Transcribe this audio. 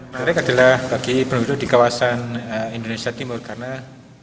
menarik adalah bagi penduduk di kawasan indonesia timur karena gerhana akan berada di bawah ufuk